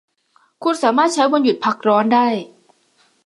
คุณสามารถใช้วันหยุดพักร้อนได้